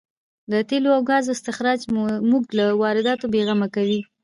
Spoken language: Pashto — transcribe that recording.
د تېلو او ګازو استخراج موږ له وارداتو بې غمه کوي.